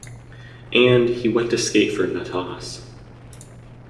And, he went to skate for Natas.